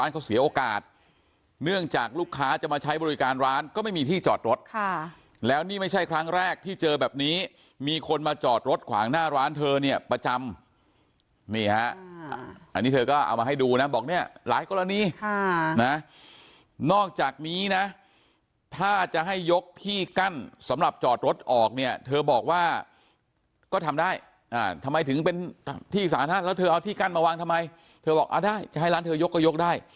ก็เสียโอกาสเนื่องจากลูกค้าจะมาใช้บริการร้านก็ไม่มีที่จอดรถค่ะแล้วนี่ไม่ใช่ครั้งแรกที่เจอแบบนี้มีคนมาจอดรถขวางหน้าร้านเธอเนี่ยประจำนี่ฮะอันนี้เธอก็เอามาให้ดูนะบอกเนี่ยหลายกรณีค่ะน่ะนอกจากนี้นะถ้าจะให้ยกที่กั้นสำหรับจอดรถออกเนี่ยเธอบอกว่าก็ทำได้อ่าทำไมถึงเป็นที่สาธารณะ